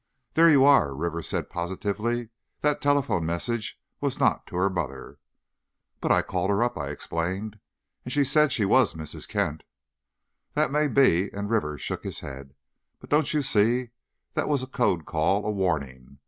"There you are!" Rivers said, positively. "That telephone message was not to her mother!" "But I called her up," I explained, "and she said she was Mrs. Kent." "That may be," and Rivers shook his head; "but, don't you see, that was a code call, a warning.